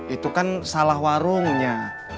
itu kan salah warungnya